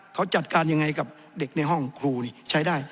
เขาจัดการยังไงกับเด็กในห้องครูนี่ใช้ได้